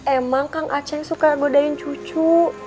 emang kang aceh suka godain cucu